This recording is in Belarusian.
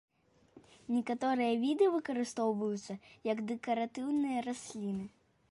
Некаторыя віды выкарыстоўваюцца як дэкаратыўныя расліны.